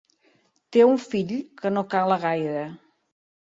Té un fill que no cala gaire.